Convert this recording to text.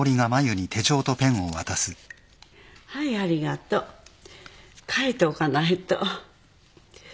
はいありがとう。書いておかないと。